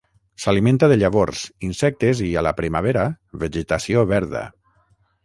S'alimenta de llavors, insectes i, a la primavera, vegetació verda.